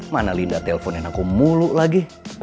mana linda telponin aku mulu lagi